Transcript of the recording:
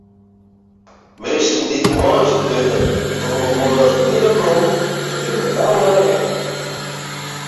Minsken dy't moarnsk binne, komme moarns min op gong en binne gau rekke.